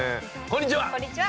こんにちは。